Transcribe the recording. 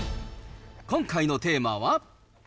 今回のテーマは。